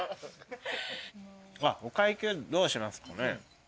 お会計どうしますかね。